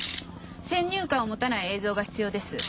先入観を持たない映像が必要です。